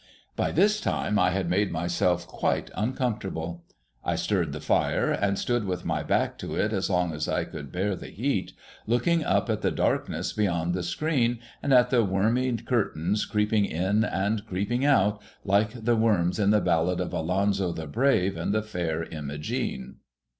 By this time I had made myself quite uncomfortable. I stirred the fire, and stood with my back to it as long as I could bear the heat, looking up at the darkness beyond the screen, and at the wormy curtains creeping in and creeping out, like the worms in the ballad of Alonzo the Brave and the Fair Imogene.